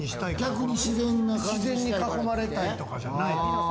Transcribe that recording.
自然に囲まれたいとかじゃないの？